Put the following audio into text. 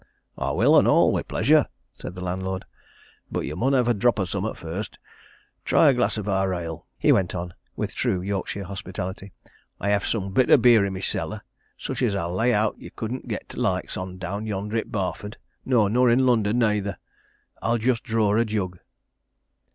"I will, an' all wi' pleasure," said the landlord, "but ye mun hev a drop o' summat first try a glass o' our ale," he went on, with true Yorkshire hospitality. "I hev some bitter beer i' my cellar such as I'll lay owt ye couldn't get t' likes on down yonder i' Barford no, nor i' London neyther! I'll just draw a jug."